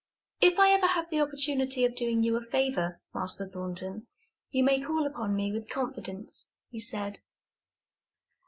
"If I ever have the opportunity of doing you a favor, Master Thornton, you may call upon me with confidence," he said.